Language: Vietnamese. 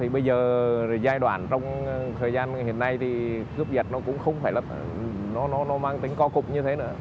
bây giờ giai đoạn trong thời gian hiện nay thì cướp giật nó cũng không phải là nó mang tính co cục như thế nữa